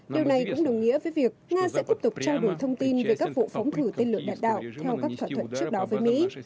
điều này cũng đồng nghĩa với việc nga sẽ tiếp tục trao đổi thông tin về các vụ phóng thử tên lửa đạn đạo theo các thỏa thuận trước đó với mỹ